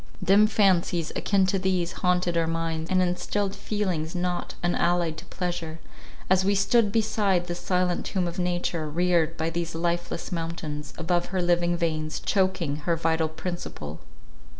Dim fancies, akin to these, haunted our minds, and instilled feelings not unallied to pleasure, as we stood beside this silent tomb of nature, reared by these lifeless mountains, above her living veins, choking her vital principle.